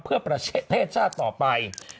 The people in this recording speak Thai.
เพื่อประเทศชาติต่อไป